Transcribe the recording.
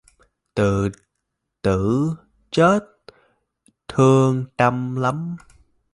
Tự tử chết thương tâm lắm